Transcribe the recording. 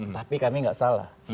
tapi kami nggak salah